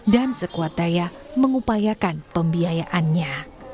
dan sekuat daya mengupayakan pembiayaannya